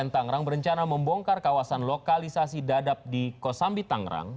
tangerang berencana membongkar kawasan lokalisasi dadap di kosambi tangerang